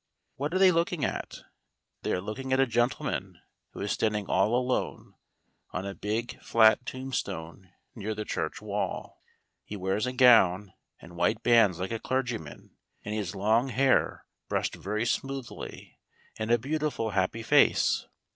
What are they looking at? They are looking at a gentleman who is standing all alone on a big flat tombstone near the church wall. He wears a gown and white bands like a clergyman, and he has long hair brushed very smoothly, and a beautiful, happy face.